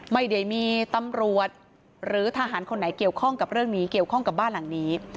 ไม่ได้มีตำรวจหรือทหารคนไหนเกี่ยวข้องกับเรื่องนี้เกี่ยวข้องกับบ้านหลังนี้